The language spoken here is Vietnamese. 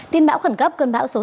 tiên bão khẩn cấp cơn bão số sáu